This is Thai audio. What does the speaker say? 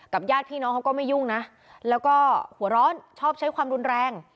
ญาติพี่น้องเขาก็ไม่ยุ่งนะแล้วก็หัวร้อนชอบใช้ความรุนแรง